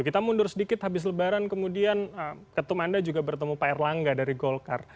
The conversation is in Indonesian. kita mundur sedikit habis lebaran kemudian ketum anda juga bertemu pak erlangga dari golkar